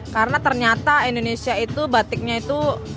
karena ternyata indonesia itu batiknya itu